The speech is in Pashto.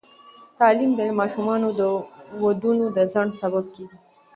تعلیم د ماشومانو د ودونو د ځنډ سبب کېږي.